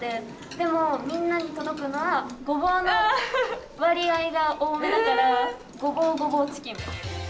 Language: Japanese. でも、みんなに届くのはごぼうの割合が多めだからごぼうごぼうチキン。